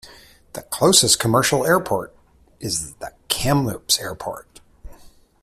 The closest commercial airport is the Kamloops Airport.